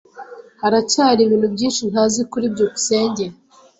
Haracyari ibintu byinshi ntazi kuri byukusenge.